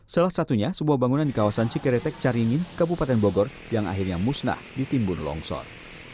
salah satunya sebuah bangunan di kawasan cikeretek caringin kabupaten bogor yang akhirnya musnah ditimbun longsor